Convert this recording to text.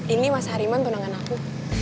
ini mas hariman tenangkan aku